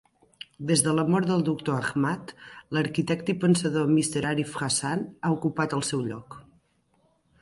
Des de la mort del Doctor Ahmad, l'arquitecte i pensador Mr. Arif Hasan ha ocupat el seu lloc.